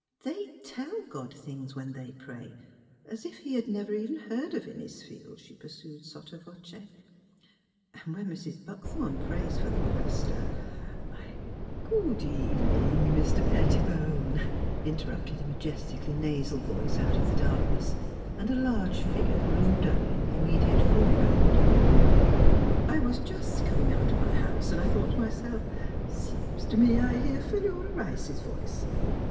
'' They tell God things when they pray, as if he never even heard of Innisfield," she pursued sotto voce; '' and when Mrs. Buckthorn prays for the pastor, I "" Good evening, Mr. Pettibone," interrupted a majestically nasal voice out of the darkness, and a large figure loomed up in the immediate fore ground. " I was just comin' out of my house, and I thought to myself : seems to me I hear Philuf a Rice's voice.